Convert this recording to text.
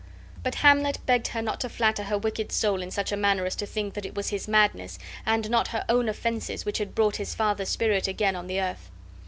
But Hamlet begged her not to flatter her wicked soul in such a manner as to think that it was his madness, and not her own offenses, which had brought his father's spirit again on the earth.